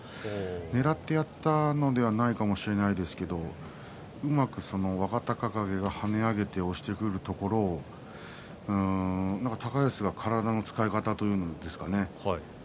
ねらってやったのではないかもしれませんがうまく若隆景が跳ね上げて押してくるところを高安が体の使い方というんですかね